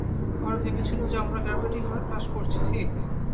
আমরা ভেবেছিলাম যে আমরা গ্র্যাভিটি হ্রাস করছি, ঠিক?